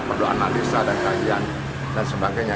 perlu analisa dan kajian dan sebagainya